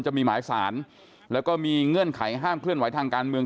จะมีหมายสารแล้วก็มีเงื่อนไขห้ามเคลื่อนไหวทางการเมือง